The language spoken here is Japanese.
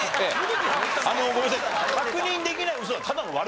あのごめんなさい。